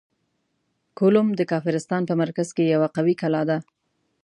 کولوم د کافرستان په مرکز کې یوه قوي کلا ده.